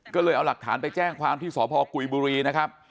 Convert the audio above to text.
ก็เลยเอาหลักฐานไปแจ้งความที่สพกุยบุรีนะครับ